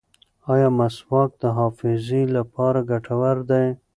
ایا مسواک د حافظې لپاره ګټور دی؟